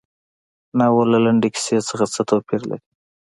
ناول له لنډې کیسې څخه څه توپیر لري.